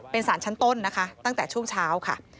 เป็นสารชั้นต้นนะคะตั้งแต่ช่วงเช้าค่ะ